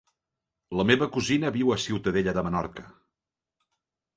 La meva cosina viu a Ciutadella de Menorca.